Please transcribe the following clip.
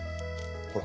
ほら！